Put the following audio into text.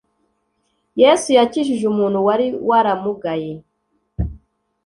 yesu yakijije umuntu wari waramugaye.